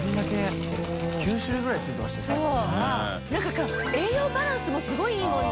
何か栄養バランスもすごいいいもんね。